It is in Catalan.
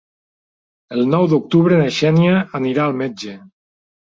El nou d'octubre na Xènia anirà al metge.